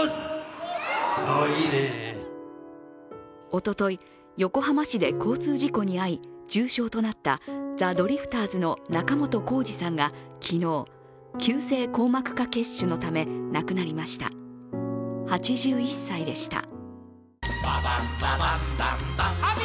おととい、横浜市で交通事故に遭い、重傷となったザ・ドリフターズの仲本工事さんが、昨日急性硬膜下血腫のため亡くなりました、８１歳でした。